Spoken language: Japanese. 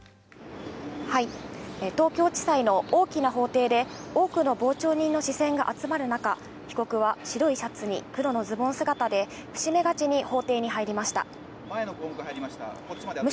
はい、東京地裁の大きな法廷で多くの傍聴人の視線が集まる中、被告は白いシャツに黒のズボン姿で、伏し目がちに法廷に入りました。